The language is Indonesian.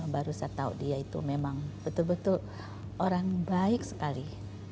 baru saya tahu dia itu memang betul betul orang baik sekali